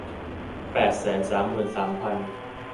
แปดแสนสามหมื่นสามพัน